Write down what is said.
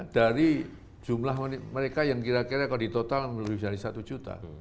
dari jumlah mereka yang kira kira kalau ditotal lebih dari satu